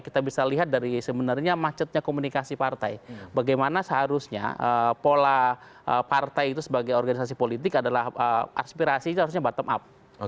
kita bisa lihat dari sebenarnya macetnya komunikasi partai bagaimana seharusnya pola partai itu sebagai organisasi politik adalah aspirasi itu harusnya bottom up